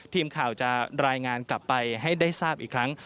ทีมข่าวจะรายงานกลับไปให้ได้ทราบอีกครั้ง